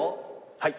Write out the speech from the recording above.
はい。